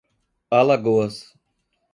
Alagoas